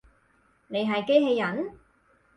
你係機器人？